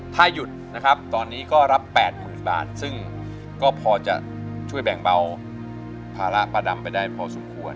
ถ้าหยุดนะครับตอนนี้ก็รับ๘๐๐๐บาทซึ่งก็พอจะช่วยแบ่งเบาภาระป้าดำไปได้พอสมควร